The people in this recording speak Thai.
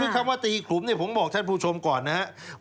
คำว่าตีขลุมผมบอกท่านคุณผู้ชมก่อนนะครับ